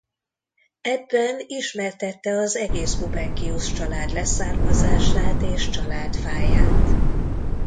Ebben ismertette az egész Bubenkius-család leszármazását és családfáját.